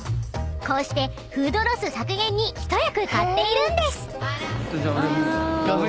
［こうしてフードロス削減に一役買っているんです］